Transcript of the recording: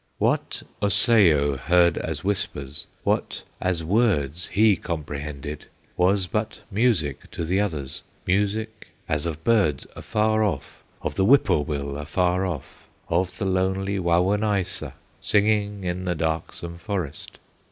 "What Osseo heard as whispers, What as words he comprehended, Was but music to the others, Music as of birds afar off, Of the whippoorwill afar off, Of the lonely Wawonaissa Singing in the darksome forest.